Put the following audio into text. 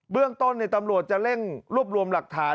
เรื่องต้นตำรวจจะเร่งรวบรวมหลักฐาน